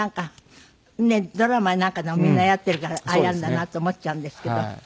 ドラマやなんかでもみんなやっているからああやるんだなと思っちゃうんですけど。